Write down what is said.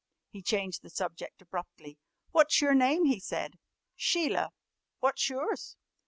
He changed the subject abruptly. "What's your name?" he said. "Sheila. What's yours?"